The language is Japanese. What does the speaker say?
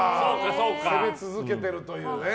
攻め続けてるというね。